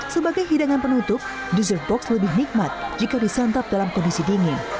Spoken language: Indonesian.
sebagai hidangan penutup dessert box lebih nikmat jika disantap dalam kondisi dingin